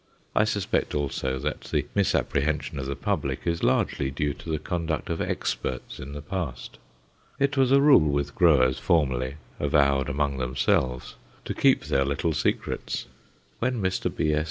I suspect also that the misapprehension of the public is largely due to the conduct of experts in the past. It was a rule with growers formerly, avowed among themselves, to keep their little secrets. When Mr. B.S.